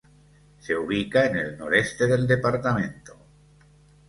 Se ubica en el noreste del departamento.